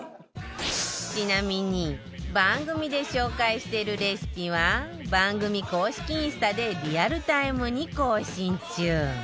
ちなみに番組で紹介してるレシピは番組公式インスタでリアルタイムに更新中